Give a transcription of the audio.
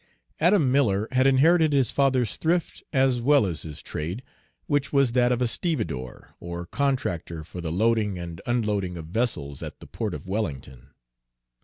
Adam Miller had inherited his father's thrift, as well as his trade, which was that of a stevedore, or contractor for the loading and unloading of vessels at the port of Wellington.